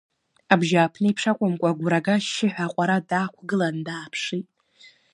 Абжьааԥнеиԥш акәымкәа, Гәрага ашьшьыҳәа аҟәара даақәгылан дааԥшит.